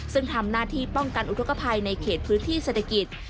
ซึ่งทำหน้าที่ป้องกันอุทธกภัยในเขตพื้นที่เศรษฐกิจ